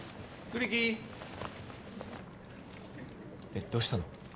・栗木ーえっどうしたの？